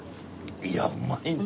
いやうまいね。